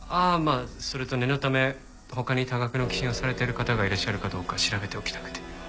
あそれと念のため他に多額の寄進をされてる方がいらっしゃるかどうか調べておきたくて。